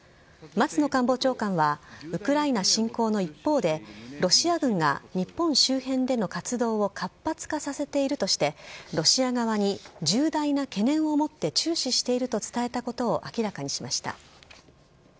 松野官房長官はウクライナ侵攻の一方で、ロシア軍が日本周辺での活動を活発化させているとして、ロシア側に重大な懸念を持って注視していると伝えたことを明らかにしました。